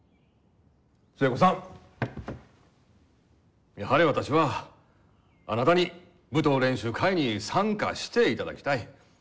寿恵子さんやはり私はあなたに舞踏練習会に参加していただきたい。